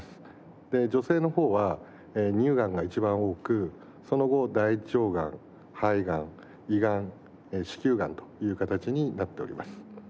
で女性の方は乳がんが一番多くその後大腸がん肺がん胃がん子宮がんという形になっております。